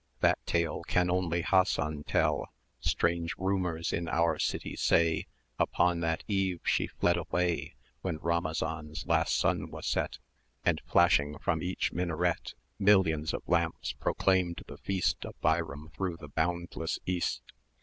That tale can only Hassan tell: Strange rumours in our city say Upon that eve she fled away When Rhamazan's last sun was set, And flashing from each Minaret 450 Millions of lamps proclaimed the feast Of Bairam through the boundless East.